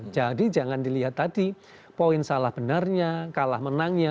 jadi jangan dilihat tadi poin salah benarnya kalah menangnya